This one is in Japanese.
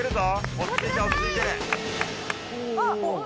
落ち着いて落ち着いて。